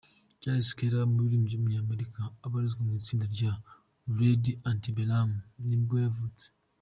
Charles Kelley, umuririmbyi w’umunyamerika, ubarizwa mu itsinda rya Lady Antebellum ni bwo yavutse.